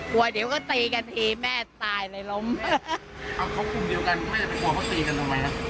กลัวเดี๋ยวก็ตีกันทีแม่ตายเลยล้ม